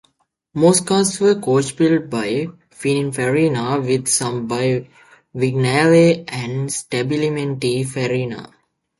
Most cars were coachbuilt by Pinin Farina with some by Vignale and Stabilimenti Farina.